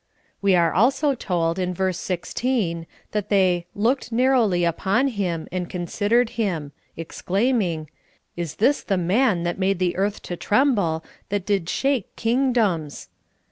" We are also told, in verse 16, that they "looked nar rowl}^ upon him, and considered him," exclaiming, *' Is this the man that made the earth to tremble, that did shake kingdoms